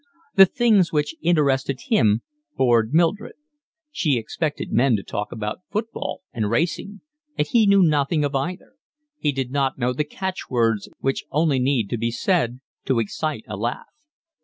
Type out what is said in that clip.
The things which interested him bored Mildred. She expected men to talk about football and racing, and he knew nothing of either. He did not know the catchwords which only need be said to excite a laugh.